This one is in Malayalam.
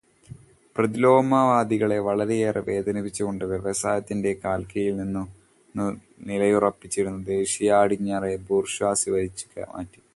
പ്രതിലോമവാദികളെ വളരെയേറെ വേദനിപ്പിച്ചുകൊണ്ടു് വ്യവസായത്തിന്റെ കാൽക്കീഴിൽ നിന്നു് അതു നിലയുറപ്പിച്ചിരുന്ന ദേശീയാടിത്തറയെ ബൂർഷ്വാസി വലിച്ചുമാറ്റി.